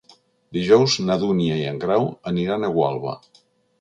Dijous na Dúnia i en Grau aniran a Gualba.